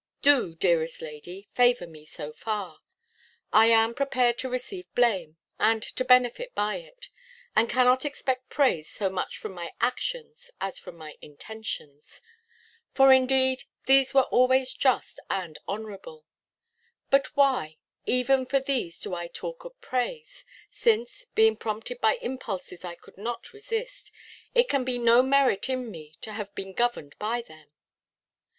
Do, dearest lady, favour me so far. I am prepared to receive blame, and to benefit by it, and cannot expect praise so much from my actions as from my intentions; for indeed, these were always just and honourable: but why, even for these do I talk of praise, since, being prompted by impulses I could not resist, it can be no merit in me to have been governed by them?